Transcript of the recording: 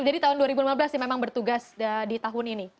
jadi tahun dua ribu lima belas sih memang bertugas di tahun ini